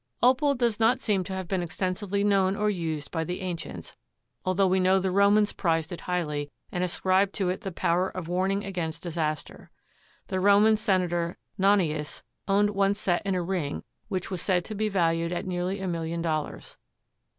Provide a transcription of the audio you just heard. Opal does not seem to have been extensively known or used by the ancients, although we know the Romans prized it highly and ascribed to it the power of warning against disaster. The Roman Senator Nonius owned one set in a ring which was said to be valued at nearly a million dollars.